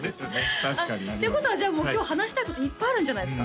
確かにありますっていうことはじゃあ今日話したいこといっぱいあるんじゃないですか？